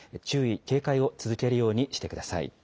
注意、警戒を続けるようにしてください。